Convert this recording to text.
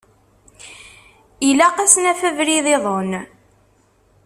Ilaq ad s-naf abrid-iḍen.